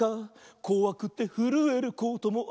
「こわくてふるえることもある」